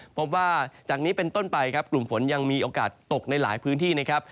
พบว่าจากนี้เป็นต้นไปครับกลุ่มฝนยังมีโอกาสตกในหลายพื้นที่นะครับ